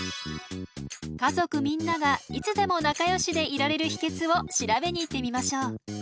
家族みんながいつでも仲よしでいられる秘けつを調べに行ってみましょう。